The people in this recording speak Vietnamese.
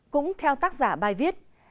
cũng theo tác giả bài viết